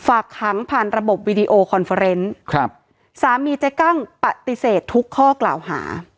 ฝากคังผ่านระบบครับสามีเจกังปฏิเสธทุกข้อกล่าวหา